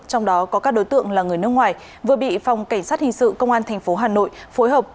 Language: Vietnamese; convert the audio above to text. trong đó có các đối tượng là người nước ngoài vừa bị phòng cảnh sát hình sự công an tp hà nội phối hợp